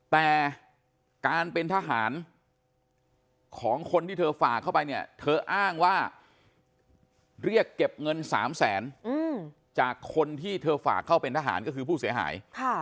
แต่การเป็นทหารของคนที่เธอฝากเข้าไปเนี่ยเธออ้างว่าเรียกเก็บเงิน๓แสนจากคนที่เธอฝากเข้าเป็นทหารก็คือผู้เสียหาย